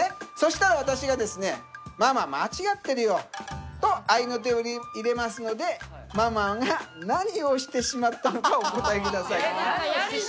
そしたら私がですね「ママ間違ってるよ」と合いの手を入れますのでママが何をしてしまったのかをお答えください。